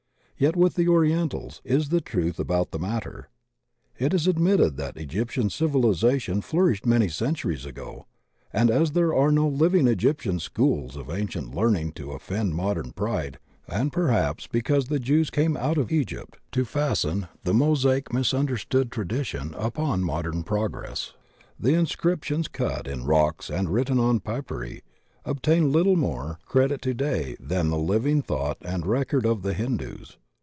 Yet with the Orientals is the trudi about the matter. It is admitted that Egyptian civilization flourished many centuries ago, and as there are no living Egyptian schools of ancient learning to offend modem pride, and perhaps because the Jews "came out of Egypt" to fasten the Mosaic misunder stood tradition upon modem progress, the inscriptions cut in rocks and written on papyri obtain a little more MOSAIC TRADITION INADEQUATE 17 credit today than the living thought and record of the Hindus.